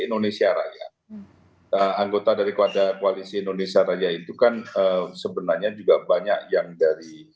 indonesia raya anggota daripada koalisi indonesia raya itu kan sebenarnya juga banyak yang dari